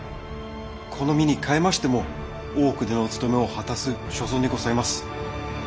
この身にかえましても大奥でのお務めを果たす所存にございます！